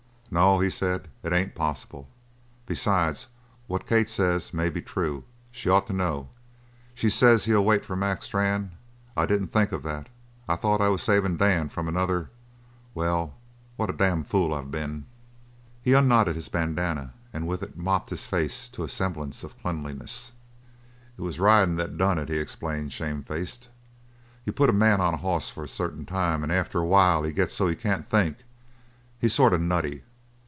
"No," he said, "it ain't possible. Besides, what Kate says may be true. She ought to know she says he'll wait for Mac Strann. I didn't think of that; I thought I was savin' Dan from another well, what a damn fool I been!" He unknotted his bandana and with it mopped his face to a semblance of cleanliness. "It was the ridin' that done it," he explained, shame faced. "You put a man on a hoss for a certain time, and after a while he gets so he can't think. He's sort of nutty.